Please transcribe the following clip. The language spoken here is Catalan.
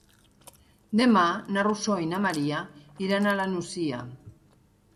Demà na Rosó i na Maria iran a la Nucia.